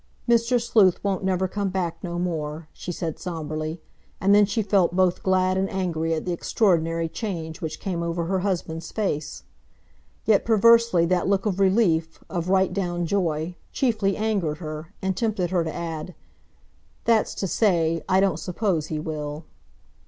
"Mr. Sleuth won't never come back no more," she said sombrely, and then she felt both glad and angry at the extraordinary change which came over her husband's face. Yet, perversely, that look of relief, of right down joy, chiefly angered her, and tempted her to add, "That's to say, I don't suppose he will."